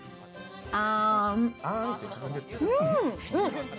あん！